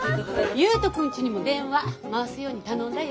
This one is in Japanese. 悠人君ちにも電話回すように頼んだよ。